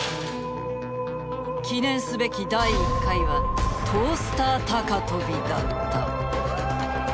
記念すべき第１回はトースター高跳びだった。